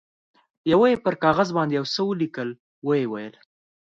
یوه یې پر کاغذ باندې یو څه ولیکل، ویې ویل.